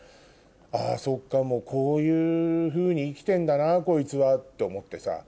あそっかこういうふうに生きてんだなこいつはって思ってさ。